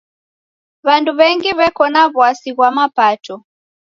W'andu w'engi w'eko na w'asi ghwa mapato.